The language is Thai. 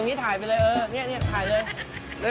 นี่ถ่ายเลย